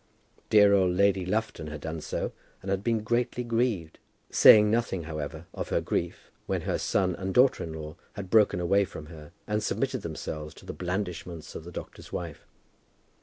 Dear old Lady Lufton had done so, and had been greatly grieved, saying nothing, however, of her grief, when her son and daughter in law had broken away from her, and submitted themselves to the blandishments of the doctor's wife.